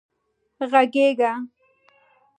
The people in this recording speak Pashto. غږېږه